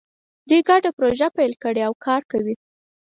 دوی ګډه پروژه پیل کړې او کار کوي